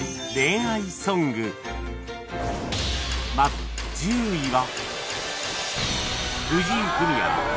まず１０位は